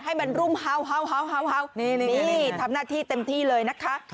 ให้มันรุ่มเฮานี่ทำหน้าที่เต็มที่เลยนะคะ